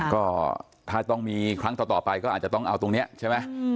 ก็ถ้าต้องมีครั้งต่อไปก็อาจจะต้องเอาตรงนี้ใช่ไหม